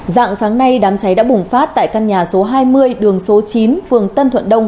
dạng sáng nay đám cháy đã bùng phát tại căn nhà số hai mươi đường số chín phường tân thuận đông